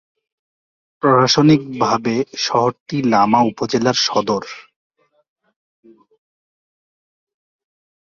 প্রশাসনিকভাবে শহরটি লামা উপজেলার সদর।